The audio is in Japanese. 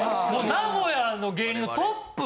名古屋の芸人のトップ。